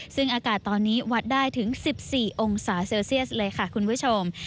ซึ่งอากาศตอนนี้วัดได้ถึง๑๔องศาเซลเซียสเลยค่ะคุณผู้ชม